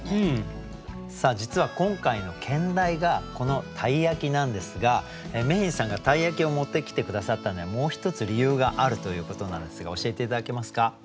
さあ実は今回の兼題がこの「鯛焼」なんですがＭａｙ’ｎさんが鯛焼を持ってきて下さったのにはもう一つ理由があるということなんですが教えて頂けますか？